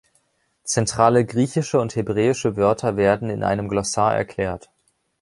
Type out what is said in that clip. Zentrale griechische und hebräische Wörter werden in einem Glossar erklärt.